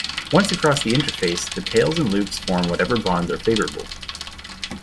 Once across the interface, the tails and loops form whatever bonds are favorable.